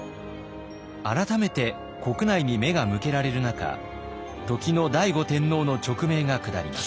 改めて国内に目が向けられる中時の醍醐天皇の勅命が下ります。